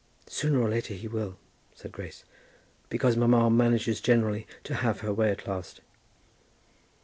"Sooner or later he will," said Grace; "because mamma manages generally to have her way at last."